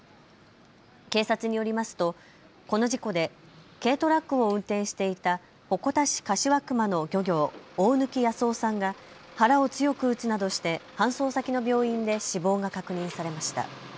警察によりますとこの事故で軽トラックを運転していた鉾田市柏熊の漁業、大貫安雄さんが腹を強く打つなどして搬送先の病院で死亡が確認されました。